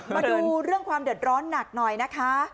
มาดูเรื่องความเดือดร้อนหนักหน่อยนะคะ